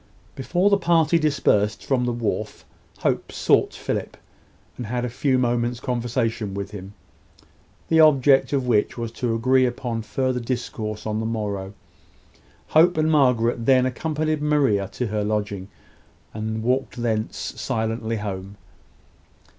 Before the party dispersed from the wharf Hope sought Philip, and had a few moments' conversation with him, the object of which was to agree upon further discourse on the morrow. Hope and Margaret then accompanied Maria to her lodging, and walked thence silently home.